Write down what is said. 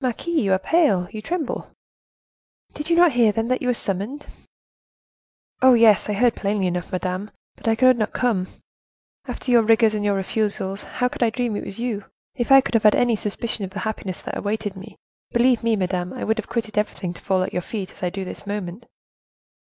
"Marquise, you are pale, you tremble." "Did you not hear, then, that you were summoned?" "Oh, yes; I heard plainly enough, madame; but I could not come. After your rigors and your refusals, how could I dream it was you? If I could have had any suspicion of the happiness that awaited me, believe me, madame, I would have quitted everything to fall at your feet, as I do at this moment."